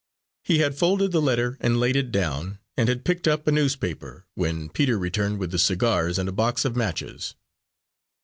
He had folded the letter and laid it down, and had picked up a newspaper, when Peter returned with the cigars and a box of matches.